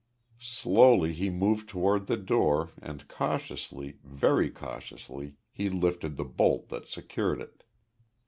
Slowly he moved toward the door and cautiously, very cautiously, he lifted the bolt that secured it.